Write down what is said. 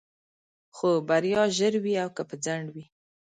خو بريا ژر وي او که په ځنډ وي.